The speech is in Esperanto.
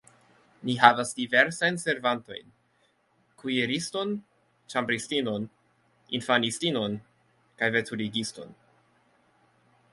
Ni havas diversajn servantojn: kuiriston, ĉambristinon, infanistinon kaj veturigiston.